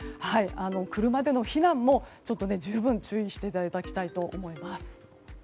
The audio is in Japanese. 車での避難も十分注意していただきたいと思います。